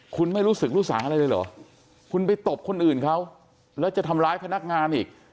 คุณไม่รู้สึกรู้สางอะไรเลยเหรอคุณไปตบคนอื่นเขาแล้วจะทำร้ายพนักงานอีก